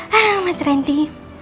hah mas rendy